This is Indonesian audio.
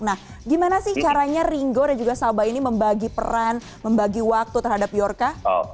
nah gimana sih caranya ringo dan juga salba ini membagi peran membagi waktu terhadap yorka